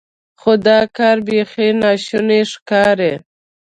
خو دا کار بیخي ناشونی ښکاري.